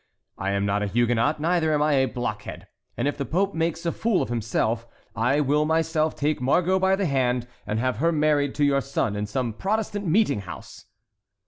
I am not a Huguenot, neither am I a blockhead; and if the Pope makes a fool of himself, I will myself take Margot by the hand, and have her married to your son in some Protestant meeting house!"